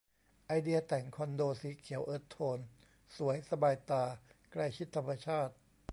ไอเดียแต่งคอนโดสีเขียวเอิร์ธโทน สวย สบายตา ใกล้ชิดธรรมชาติ